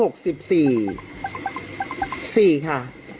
๔๔ค่ะ